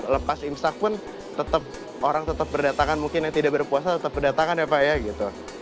lepas imsak pun tetap orang tetap berdatangan mungkin yang tidak berpuasa tetap berdatangan ya pak ya gitu